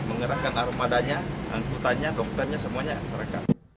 mengerahkan armadanya angkutannya dokternya semuanya masyarakat